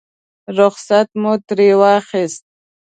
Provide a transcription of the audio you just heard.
رخصت مو ترې واخیست.